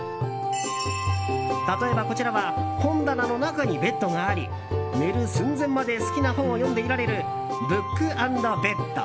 例えば、こちらは本棚の中にベッドがあり寝る寸前まで好きな本を読んでいられるＢＯＯＫＡＮＤＢＥＤ。